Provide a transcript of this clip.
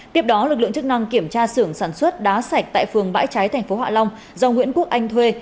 tiếp đó lực lượng chức năng kiểm tra sưởng sản xuất đá sạch tại phường bãi cháy tp hạ long do nguyễn quốc anh thuê